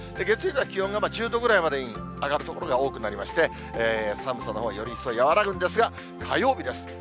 月曜日は気温が１０度ぐらいまでに上がる所が多くなりまして、寒さのほうはより一層、和らぐんですが、火曜日です。